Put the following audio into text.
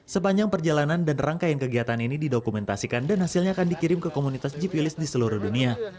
sepanjang perjalanan dan rangkaian kegiatan ini didokumentasikan dan hasilnya akan dikirim ke komunitas jeep willys di seluruh dunia